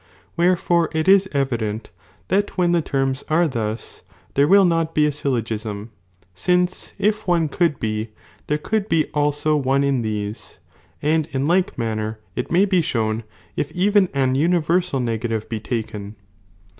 Where fore it is evident, that when the terms are thus, tliere will not be a Byllogism, since if one could be, there could be also one in these, &nd in like manner it may be shown, if even an uni 7 Nor when 'crsal negative be taken.